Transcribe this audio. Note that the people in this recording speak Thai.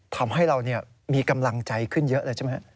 ทำให้เรามีกำลังใจขึ้นเยอะเลยใช่ไหมครับ